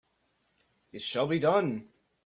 It shall be done!